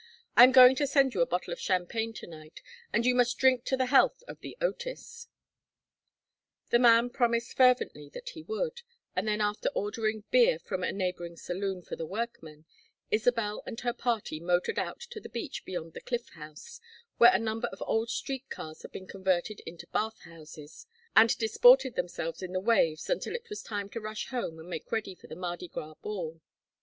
"I am going to send you a bottle of champagne to night, and you must drink to the health of The Otis." The man promised fervently that he would, and then after ordering beer from a neighboring saloon for the workmen, Isabel and her party motored out to the beach beyond the Cliff House, where a number of old street cars had been converted into bath houses, and disported themselves in the waves until it was time to rush home and make ready for the Mardi Gras ball.